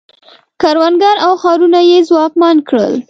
کروندګر او ښارونه یې ځواکمن کړل